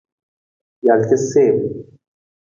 Jal casiim.